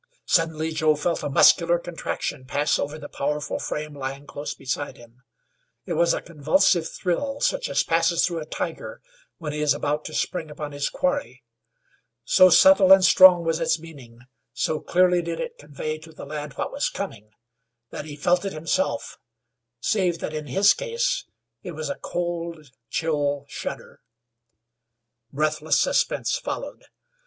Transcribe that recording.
Suddenly Joe felt a muscular contraction pass over the powerful frame lying close beside him. It was a convulsive thrill such as passes through a tiger when he is about to spring upon his quarry. So subtle and strong was its meaning, so clearly did it convey to the lad what was coming, that he felt it himself; save that in his case it was a cold, chill shudder. Breathless suspense followed.